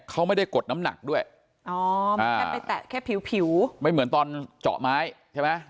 เขาไม่ได้กดน้ำหนักด้วยไม่เหมือนตอนเจาะไม้ใช่ไหม